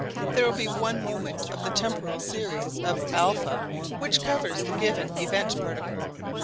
There will be one moment of the temporal series of α which covers the given event particle.